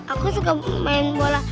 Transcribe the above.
aku suka main bola